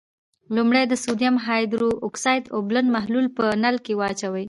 لومړی د سوډیم هایدرو اکسایډ اوبلن محلول په نل کې واچوئ.